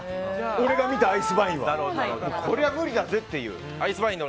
俺が見たアイスバインはこれは無理だぜっていう。